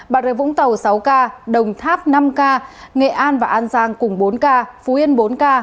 bà rê vũng tàu sáu ca đồng tháp năm ca nghệ an và an giang cùng bốn ca phú yên bốn ca